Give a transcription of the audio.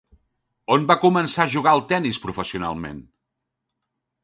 On va començar a jugar al tenis professionalment?